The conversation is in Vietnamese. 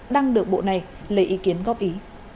đăng được bộ này lấy ý kiến góp ý